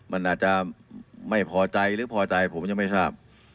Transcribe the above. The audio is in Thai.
มันอาจจะไม่พอใจหรือพอใจผมยังไม่ทราบ